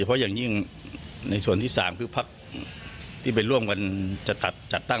เพราะอย่างยิ่งในส่วนที่๓คือพักที่ไปร่วมกันจัดตั้ง